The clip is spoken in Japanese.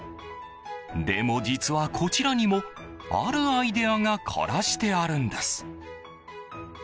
でも実は、こちらにもあるアイデアが凝らしてあるんです。